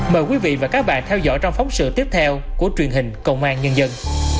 mời quý vị và các bạn theo dõi trong phóng sự tiếp theo của truyền hình công an nhân dân